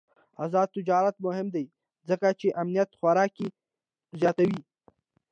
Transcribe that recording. آزاد تجارت مهم دی ځکه چې امنیت خوراکي زیاتوي.